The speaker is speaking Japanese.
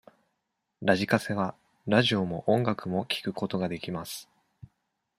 ラジカセはラジオも音楽も聞くことができます。